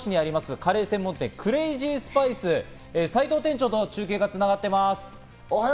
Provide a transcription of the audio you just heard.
カレー専門店クレイジースパイス、齋藤店長と中継が繋がっています。